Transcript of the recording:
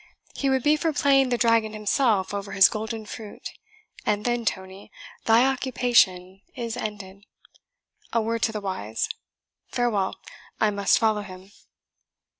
He would be for playing the dragon himself over his golden fruit, and then, Tony, thy occupation is ended. A word to the wise. Farewell! I must follow him."